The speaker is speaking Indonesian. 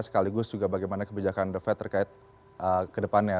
sekaligus juga bagaimana kebijakan the fed terkait kedepannya